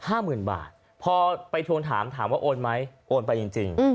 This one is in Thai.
หมื่นบาทพอไปทวงถามถามว่าโอนไหมโอนไปจริงจริง